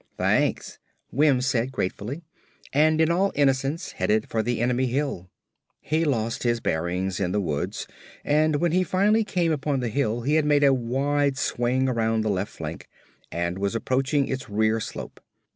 "Thanks," Wims said gratefully and in all innocence headed for the enemy hill. He lost his bearings in the woods and when he finally came upon the hill he had made a wide swing around the left flank and was approaching its rear slope.